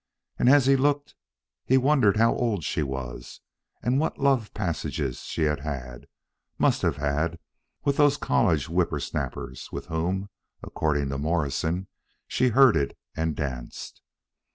And as he looked, he wondered how old she was, and what love passages she had had, must have had, with those college whippersnappers with whom, according to Morrison, she herded and danced.